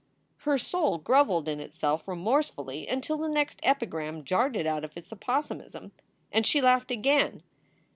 Her soul groveled in itself remorsefully until the next epigram jarred it out of its opossumism, and she laughed again.